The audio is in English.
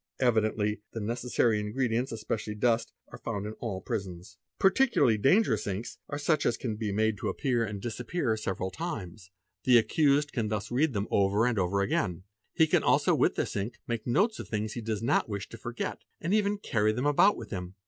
Evidently the necessary in gredients, especially dust, are found in all prisons. if Va F Particularly dangerous inks are such as can be made to appear and : INVISIBLE INKS 339 _ disappear several times; the accused can thus read them over and over again; he can also with this ink make notes of things he does not wish to forget, and even carry them about with him.